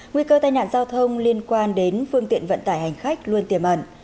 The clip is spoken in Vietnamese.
nguy cơ tai nạn giao thông liên quan đến phương tiện vận tải hành khách luôn tiềm ẩn